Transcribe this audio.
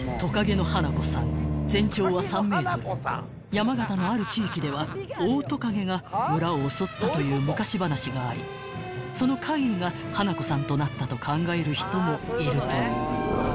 ［山形のある地域ではオオトカゲが村を襲ったという昔話がありその怪異が花子さんとなったと考える人もいるという］